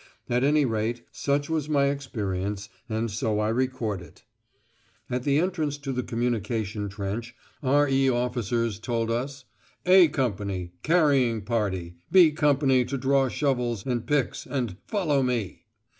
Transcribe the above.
At any rate, such was my experience, and so I record it. At the entrance to the communication trench R.E. officers told us off: "A" Company, "carrying party"; "B" Company to draw shovels and picks and "follow me."